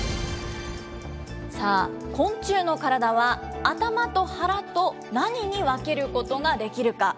さあ、昆虫の体は頭と腹と何に分けることができるか。